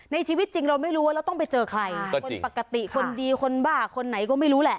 ในชีวิตจริงเราไม่รู้ว่าเราต้องไปเจอใครคนปกติคนดีคนบ้าคนไหนก็ไม่รู้แหละ